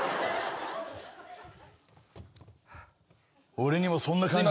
俺にもそんな感じ。